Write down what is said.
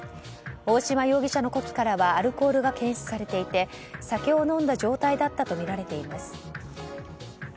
大島容疑者の呼気からはアルコールが検出されていて酒を飲んだ状態だったとみられています。